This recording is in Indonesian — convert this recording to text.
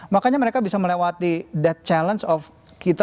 makanya mereka bisa melewati that challenge of kita